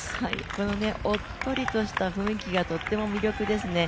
このおっとりとした雰囲気がとても魅力的ですね。